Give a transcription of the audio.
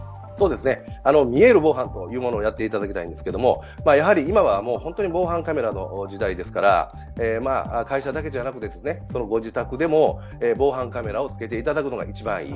見える防犯というものをやっていただきたいんですけれども、今は本当に防犯カメラの時代ですから、会社だけでなくてご自宅でも防犯カメラをつけていただくのが一番いい。